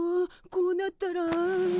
こうなったら。